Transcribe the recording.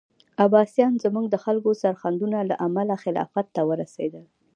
عباسیان زموږ د خلکو سرښندنو له امله خلافت ته ورسېدل.